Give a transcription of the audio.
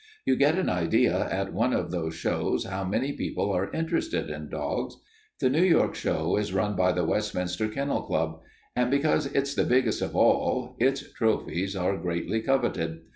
You get an idea at one of those shows how many people are interested in dogs. The New York show is run by the Westminster Kennel Club, and because it's the biggest of all its trophies are greatly coveted.